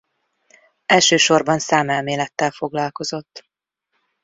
Elsősorban számelmélettel foglalkozott.